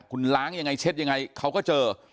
คุณล้างยังไงเช็ดยังไงเขาก็เจอ